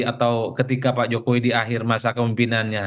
atau ketika pak jokowi di akhir masa kemimpinannya